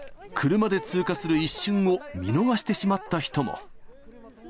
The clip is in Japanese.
車で通過する一瞬を見逃してしまった人も。